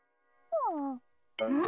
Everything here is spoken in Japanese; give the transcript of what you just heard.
うん？